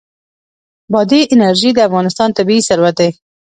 بادي انرژي د افغانستان طبعي ثروت دی.